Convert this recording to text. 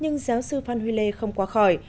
nhưng giáo sư phan huy lê không qua khỏi